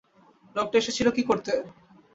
লোকটা এসেছিল কী করতে?